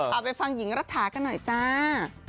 เอาไปฟังหญิงรัฐากันหน่อยจ้า